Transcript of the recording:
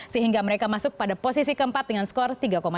sehingga mereka masuk pada posisi keempat dengan skor tiga lima puluh dua